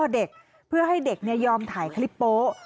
เด็กเพื่อให้เด็กยอมถ่ายคลิปโป๊ะ